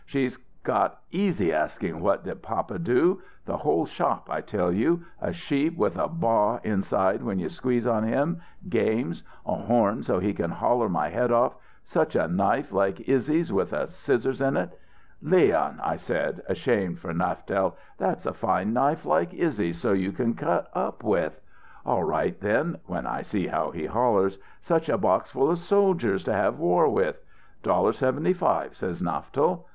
She's got easy asking. 'What did papa do?' The whole shop, I tell you. A sheep with a baa inside when you squeeze on him games a horn so he can holler my head off such a knife like Izzy's with a scissors in it! 'Leon,' I said, ashamed for Naftel, 'that's a fine knife like Izzy's so you can cut up with.' 'All right then' when I see how he hollers 'such a box full of soldiers to have war with.' 'Dollar seventy five,' says Naftel.